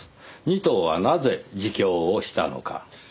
仁藤はなぜ自供をしたのか。